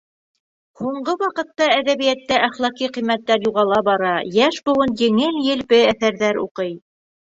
Һуңғы ваҡытта әҙәбиәттә әхлаҡи ҡиммәттәр юғала бара, йәш быуын еңел-елпе әҫәрҙәр уҡый.